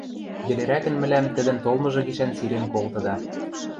йӹлерӓкӹн мӹлӓм тӹдӹн толмыжы гишӓн сирен колтыда...